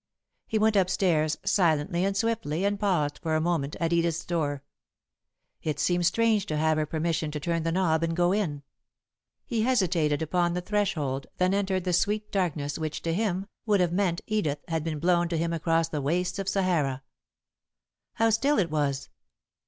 He went up stairs, silently and swiftly, and paused, for a moment, at Edith's door. It seemed strange to have her permission to turn the knob and go in. He hesitated upon the threshold, then entered the sweet darkness which, to him, would have meant Edith, had it been blown to him across the wastes of Sahara. How still it was!